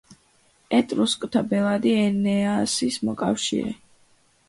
ეტრუსკთა ბელადი, ენეასის მოკავშირე.